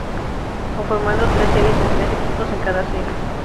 Conformando tres series de tres equipos en cada serie.